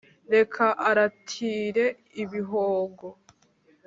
Reka aratire Ibihogo,